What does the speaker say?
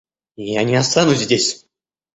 Я не останусь здесь.